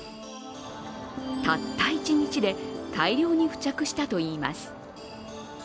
たった一日で大量に付着したといいます。